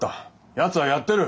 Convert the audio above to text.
やつはやってる。